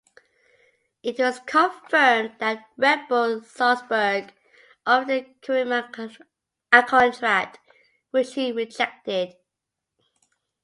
It was confirmed that Red Bull Salzburg offered Karimi a contract, which he rejected.